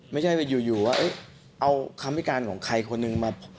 ไม่ใช่อยู่ว่าเอาคำพิการของใครคนหนึ่งมา